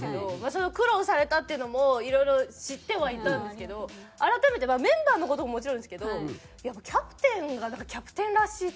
その苦労されたっていうのもいろいろ知ってはいたんですけど改めてメンバーの事ももちろんですけどやっぱキャプテンがキャプテンらしいというか。